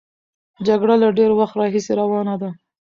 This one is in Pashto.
جګړه له ډېر وخت راهیسې روانه ده.